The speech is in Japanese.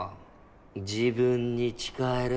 自分に誓える？